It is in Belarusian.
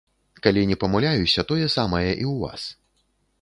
Калі не памыляюся, тое самае і ў вас.